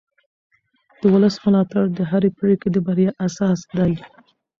د ولس ملاتړ د هرې پرېکړې د بریا اساس دی